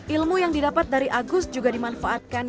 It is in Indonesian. ilmu yang didapat dari agus juga dimanfaatkan